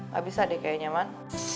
gak bisa deh kayaknya nyaman